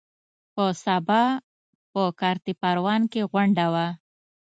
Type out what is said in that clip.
په سبا په کارته پروان کې غونډه وه.